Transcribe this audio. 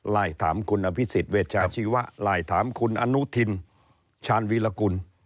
ถามคุณอภิษฎเวชาชีวะไลน์ถามคุณอนุทินชาญวีรกุล